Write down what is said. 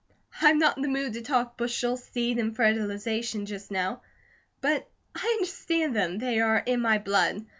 "I'm not in the mood to talk bushels, seed, and fertilization just now; but I understand them, they are in my blood.